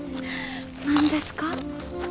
何ですか？